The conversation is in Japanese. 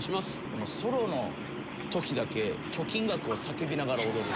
このソロの時だけ貯金額を叫びながら踊る。